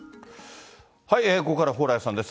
ここからは蓬莱さんです。